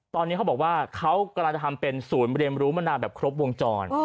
ตอนนี้เขาบอกว่าเขากำลังจะทำเป็นศูนย์เรียนรู้มานานแบบครบวงจร